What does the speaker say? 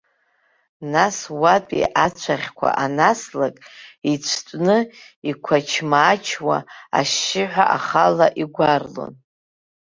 Нас уатәи ацәаӷьқәа анаслак ицәтәны, иқәач-мачуа ашьшьыҳәа ахала игәарлон.